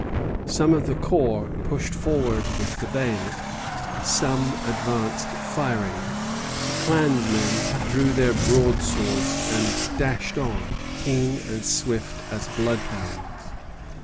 Some of the corps pushed forward with the bayonet; some advanced firing. The clansmen drew their broadswords and dashed on, keen and swift as bloodhounds.